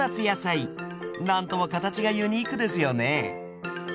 何とも形がユニークですよね。